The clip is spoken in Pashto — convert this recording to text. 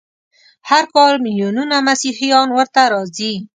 هر کال ملیونونه مسیحیان ورته راځي.